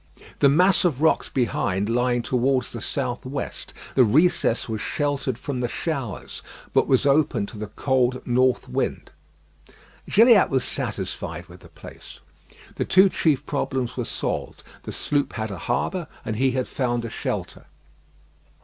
The mass of rocks behind lying towards the south west, the recess was sheltered from the showers, but was open to the cold north wind. Gilliatt was satisfied with the place. The two chief problems were solved; the sloop had a harbour, and he had found a shelter.